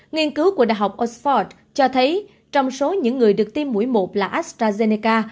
nghiên cứu của đh oxford cho thấy trong số những người được tiêm mũi một là astrazeneca